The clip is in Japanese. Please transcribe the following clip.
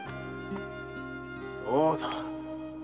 〔そうだ。